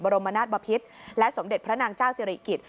รมนาศบพิษและสมเด็จพระนางเจ้าสิริกิจ